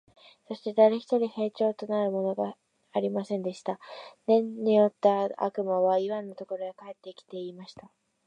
そして誰一人兵隊になるものがありませんでした。年よった悪魔はイワンのところへ帰って来て、言いました。